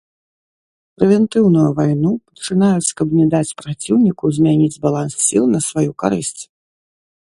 Прэвентыўную вайну пачынаюць, каб не даць праціўніку змяніць баланс сіл на сваю карысць.